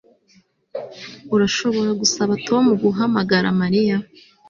Urashobora gusaba Tom guhamagara Mariya